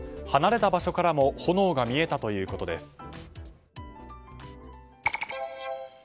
離れた場所からも炎が見えたということです。